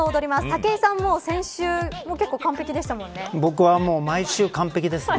武井さん、先週もう結構完璧でしたもんね。